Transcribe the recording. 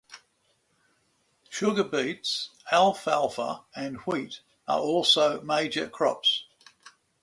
Sugar beets, alfalfa and wheat are also major crops.